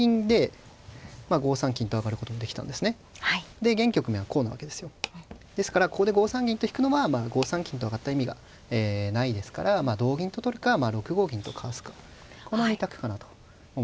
で現局面はこうなわけですよですからここで５三銀と引くのは５三金と上がった意味がないですから同銀と取るか６五銀とかわすかこの２択かなと思います。